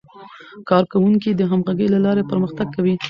کارکوونکي د همغږۍ له لارې پرمختګ کوي